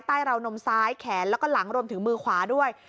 ราวนมซ้ายแขนแล้วก็หลังรวมถึงมือขวาด้วย